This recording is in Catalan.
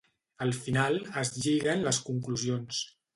Al final, es lligen les conclusions.